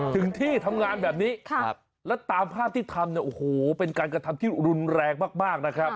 ถึงที่ทำงานแบบนี้แล้วตามภาพที่ทำเนี่ยโอ้โหเป็นการกระทำที่รุนแรงมากนะครับ